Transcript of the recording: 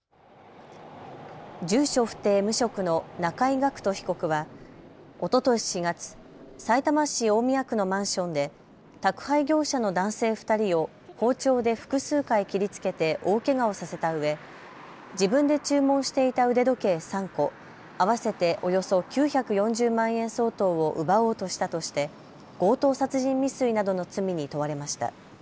住所不定・無職の中井楽人被告はおととし４月さいたま市大臣役のマンションで宅配業者の男性２人を包丁で複数回切りつけて大けがをさせたうえ自分で注文していた腕時計３個、合わせておよそ９４０万円相当を奪おうとしたとして強盗殺人未遂などの罪に問われました。